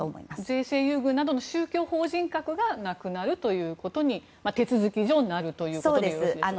税制優遇などの宗教法人格がなくなるということに手続き上なるということですね。